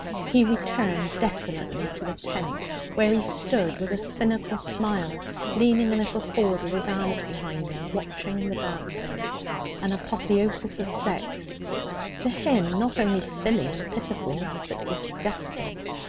He returned desolately to the tent, where he stood with a cynical smile, leaning a little forward with his arms behind him, watching the dancing, an apotheosis of sex, to him not only silly and pitiful, but disgusting.